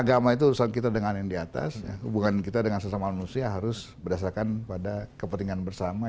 agama itu urusan kita dengan yang di atas hubungan kita dengan sesama manusia harus berdasarkan pada kepentingan bersama